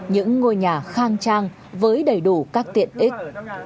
những ngôi nhà khang trang với đầy đủ các tiện ích